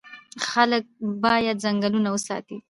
خلک باید ځنګلونه وساتي.